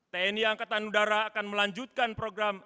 tni angkatan udara akan melanjutkan program